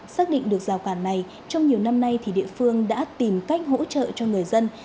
xác định được rào cản này trong nhiều năm nay thì địa phương đã tìm cách hỗ trợ cho người dân